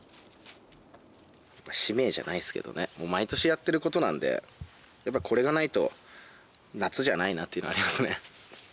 使命じゃないですけどねもう毎年やってることなんでこれがないと夏じゃないなってのはありますね。